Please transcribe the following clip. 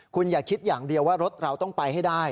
คุณอย่าคิดอย่างเดียวว่ารถเราต้องไปให้ได้